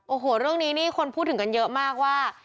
โอ้โหเรื่องนี้นี่คนพูดถึงกันเยอะมากว่า